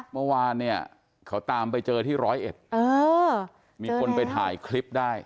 เมื่อวานเนี่ยเขาตามไปเจอที่ร้อยเอ็ดมีคนไปถ่ายคลิปได้